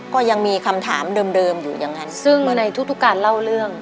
ก็ยังมีคำถามเดิมอยู่อย่างนั้นซึ่งในทุกทุกการเล่าเรื่อง